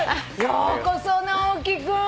ようこそ直樹君。